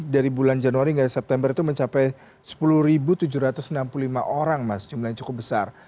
dari bulan januari hingga september itu mencapai sepuluh tujuh ratus enam puluh lima orang mas jumlahnya cukup besar